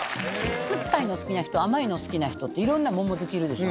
酸っぱいの好きな人、甘いの好きな人って、いろんな桃好きいるでしょ。